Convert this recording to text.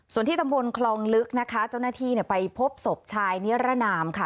ส่วนที่ตำบลคลองลึกนะคะเจ้าหน้าที่ไปพบศพชายนิรนามค่ะ